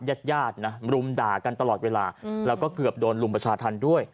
ญาติญาตินะรุมด่ากันตลอดเวลาแล้วก็เกือบโดนรุมประชาธรรมด้วย